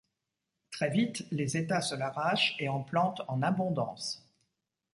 Très vite, les États se l'arrachent et en plantent en abondance.